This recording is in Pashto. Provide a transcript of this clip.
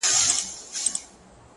• د هجر داغ مي زخم ناصور دی ,